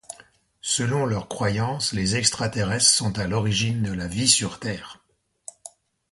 Selon leur croyance, les extraterrestres sont à l'origine de la vie sur Terre.